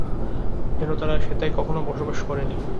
যেন তারা সেথায় কখনও বসবাস করেনি।